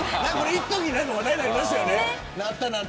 いっとき話題になりましたよね。